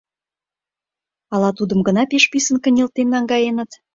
Ала тудым гына пеш писын кынелтен наҥгаеныт?